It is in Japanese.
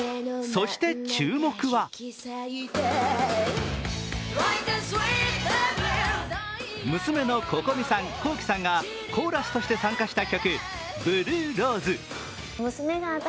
そして注目は娘のＣｏｃｏｍｉさん、ｋｏｋｉ，さんがコーラスとして参加した「ＢｌｕｅＲｏｓｅ」。